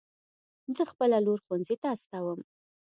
زه خپله لور ښوونځي ته استوم